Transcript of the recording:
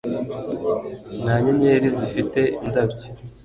nta nyenyeri zifite indabyo